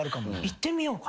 いってみようか。